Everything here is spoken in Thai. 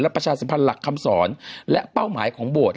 ประชาสัมพันธ์หลักคำสอนและเป้าหมายของโบสถ